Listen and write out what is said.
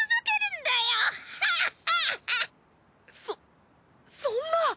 そっそんな。